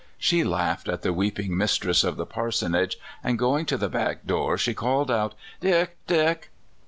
She laughed at the weeping mistress of the parsonage, and, going to the back door, she called out: " Dick! Dick!